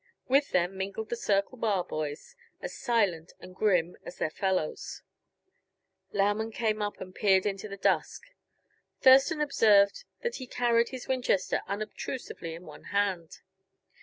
With them mingled the Circle Bar boys, as silent and grim as their fellows. Lauman came up and peered into the dusk; Thurston observed that he carried his Winchester unobtrusively in one hand.